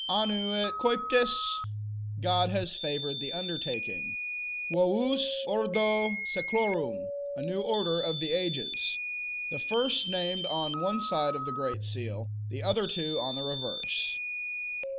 Annuit captis: God has favored the undertaking; Vovus ordo seclorum: A new order of ages. The first named on one side of the great seal, the other two on the reverse.